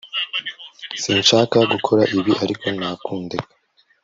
sinshaka gukora ibi, ariko nta kundeka